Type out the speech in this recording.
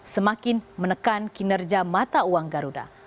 semakin menekan kinerja mata uang garuda